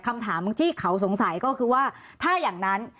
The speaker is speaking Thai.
คำถามที่เขาสงสัยก็คือว่าถ้าอย่างนั้น